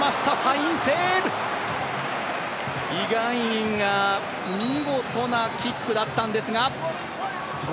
イ・ガンインが見事なキックだったんですが。